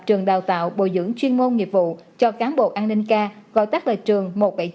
trường đào tạo bồi dưỡng chuyên môn nghiệp vụ cho cán bộ an ninh k gọi tắt là trường một trăm bảy mươi chín